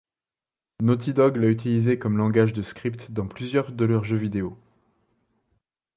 Naughty Dog l'a utilisé comme langage de script dans plusieurs de leurs jeux vidéo.